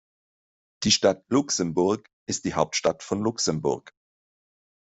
Die Stadt Luxemburg ist die Hauptstadt von Luxemburg.